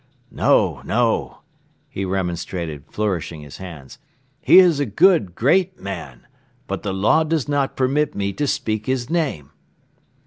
"No! No!" he remonstrated, flourishing his hands. "He is a good, great man; but the law does not permit me to speak his name."